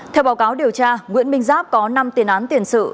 theo báo cáo điều tra nguyễn minh giáp có năm tiền án tiền sự